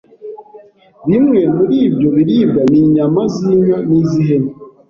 Bimwe muri ibyo biribwa ni inyama z’inka n’iz’ihene,